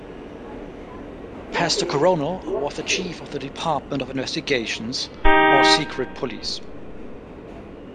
Pastor Coronel was the chief of the Department of Investigations, or secret police.